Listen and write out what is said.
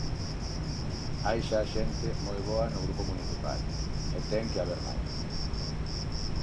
Hai xa xente moi boa no grupo municipal, e ten que haber máis.